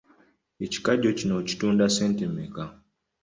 Ekikajjo kino okitunda ssente mmeka?